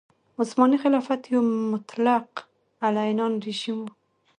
عثماني خلافت یو مطلق العنان رژیم و.